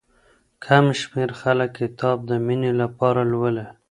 کم شمېر خلک کتاب د مينې لپاره لولي.